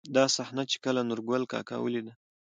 دا صحنه، چې کله نورګل کاکا ولېده.